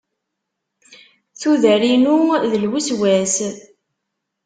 Tuder- inu d lweswas.